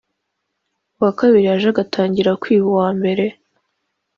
uwa kabiri yaje agatangira kwiba uwa mbere